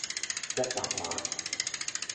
一百萬